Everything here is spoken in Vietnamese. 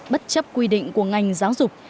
bất chấp quy định của ngành giáo dục